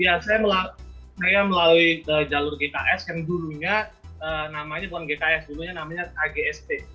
ya saya melalui jalur gks yang dulunya namanya bukan gks dulunya namanya agst